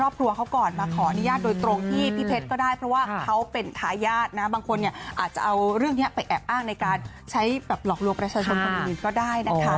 บนทุกคนนี่อาจจะเอาร่วมไปในการใช้ประสาทของคนอื่นก็ได้นะ